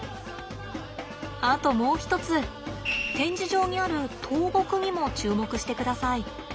あともう一つ展示場にある倒木にも注目してください。